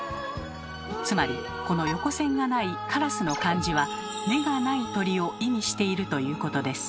つまりこの横線がないカラスの漢字は「目がない鳥」を意味しているということです。